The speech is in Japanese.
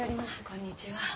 こんにちは。